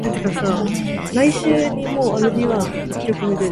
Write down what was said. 別用你的角度去批判別人